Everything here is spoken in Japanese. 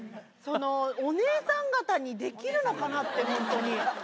そのお姉さん方にできるのかなって本当に。